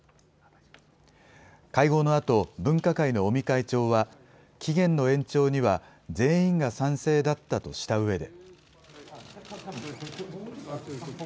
会合のあと、分科会の尾身会長は、期限の延長には全員が賛成だったとしたうえで。